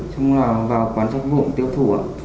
xong là vào quán sách vụ tiêu thủ ạ